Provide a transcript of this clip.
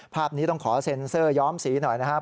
ภาพนี้ต้องขอเซ็นเซอร์ย้อมสีหน่อยนะครับ